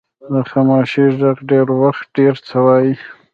د خاموشۍ ږغ ډېر وخت ډیر څه وایي.